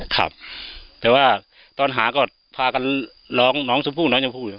ครับแต่ว่าตอนหาก็พากันลองลองชมพูลองชมพู